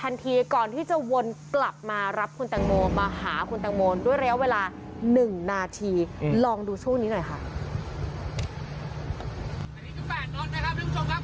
นอนนะครับทุกผู้ชมครับ๘นอนนะครับ